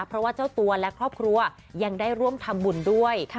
เพราะว่าเจ้าตัวและครอบครัวยังได้ร่วมทำบุญด้วย